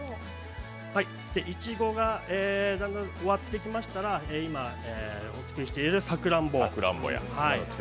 いちごがだんだん終わってきましたら、今、お作りしているさくらんぼ。